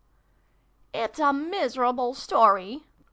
373 "It's a miserable story!"